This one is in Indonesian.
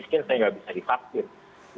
nah ini kan harusnya kan bisa dijadikan pertimbangan